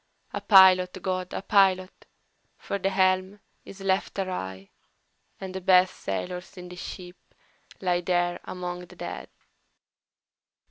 A pilot, GOD, a pilot! for the helm is left awry, And the best sailors in the ship lie there among the dead!"